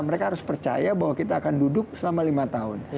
mereka harus percaya bahwa kita akan duduk selama lima tahun